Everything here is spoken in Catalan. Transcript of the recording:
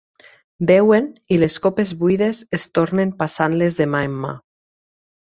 Beuen i les copes buides es tornen passant-les de mà en mà.